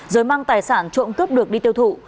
rồi mang tài sản trộm cướp được đi tiêu thụ